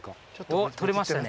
おっ採れましたね！